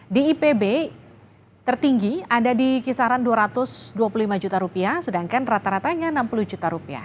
di ipb tertinggi ada di kisaran rp dua ratus dua puluh lima juta rupiah sedangkan rata ratanya rp enam puluh juta